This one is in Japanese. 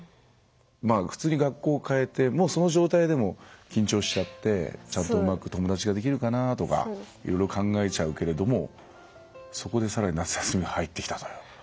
普通に学校変えてもその状態でも緊張しちゃってちゃんとうまく友達ができるかなとかいろいろ考えちゃうけれどもそこで更に夏休みが入ってきたと。